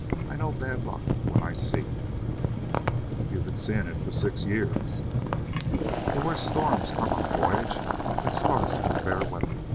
I know bad luck when I see it." "You've been seeing it for six years." "The worst storms come on a voyage that starts with fair weather.